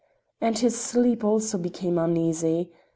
And his sleep also became uneasy.